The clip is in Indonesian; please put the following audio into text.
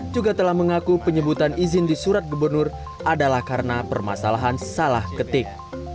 juga telah mengaku penyebutan izin di surat gubernur adalah karena permasalahan salah ketik